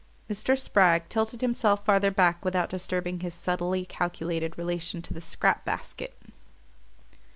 Mr. Spragg tilted himself farther back without disturbing his subtly calculated relation to the scrap basket.